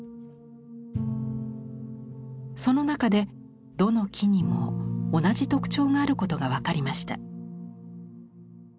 その中でどの木にも同じ特徴があることが分かりました。